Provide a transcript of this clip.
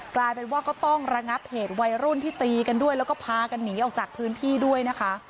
กลายเป็นว่าก็ต้องระงับเหตุวัยรุ่นที่ตีกันด้วยแล้วก็พากันหนีออกจากพื้นที่ด้วยนะคะ